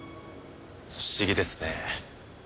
不思議ですね